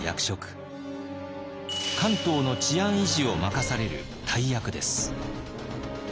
関東の治安維持を任される大役です。